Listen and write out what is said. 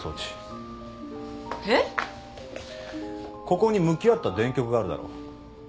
ここに向き合った電極があるだろう。